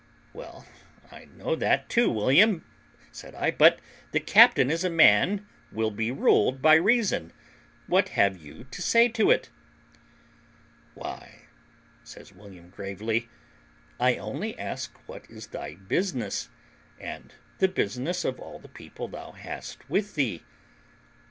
"Well, I know that too, William," said I, "but the captain is a man will be ruled by reason; what have you to say to it?" "Why," says William gravely, "I only ask what is thy business, and the business of all the people thou hast with thee?